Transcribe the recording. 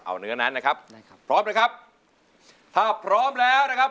เอาเนื้อนั้นนะครับพร้อมเลยครับถ้าพร้อมแล้วนะครับ